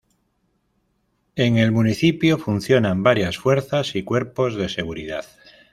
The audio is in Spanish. En el municipio funcionan varias fuerzas y cuerpos de seguridad.